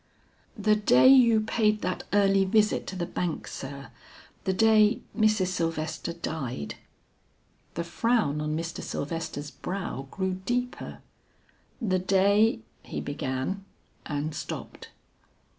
"The day you paid that early visit to the bank, sir, the day Mrs. Sylvester died." The frown on Mr. Sylvester's brow grew deeper. "The day " he began, and stopped.